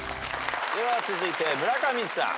では続いて村上さん。